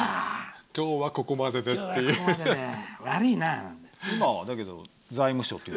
今日はここまでで、という。